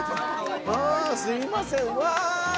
すいませんうわ！